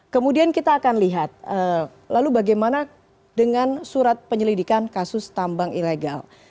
kemudian kita akan lihat lalu bagaimana dengan surat penyelidikan kasus tambang ilegal